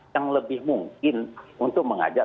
yang lebih mungkin untuk mengajak